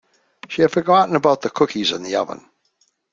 She had forgotten about the cookies in the oven.